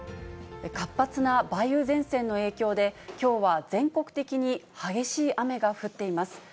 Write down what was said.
活発な梅雨前線の影響で、きょうは全国的に激しい雨が降っています。